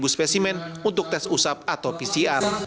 sepuluh spesimen untuk tes usap atau pcr